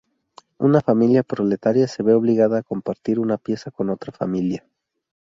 Una familia proletaria se ve obligada a compartir una pieza con otra familia.